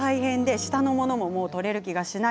下のものは取れる気がしない。